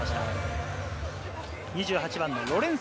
２８番のロレンソ。